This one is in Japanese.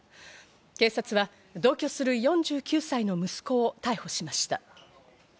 警察は同居する４９歳の息子を逮捕しました。